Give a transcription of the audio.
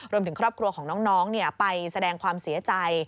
รวมถึงครอบครัวของน้องไปแสดงความเสียใจ